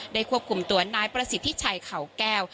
ควบคุมตัวนายประสิทธิชัยเขาแก้ว